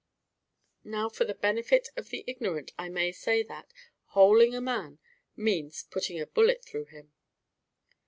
Now, for the benefit of the ignorant, I may say that, "holing a man," means putting a bullet through him.